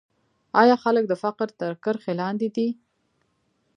آیا خلک د فقر تر کرښې لاندې دي؟